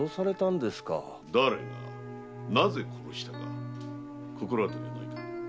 誰がなぜ殺したのか心当たりはないか？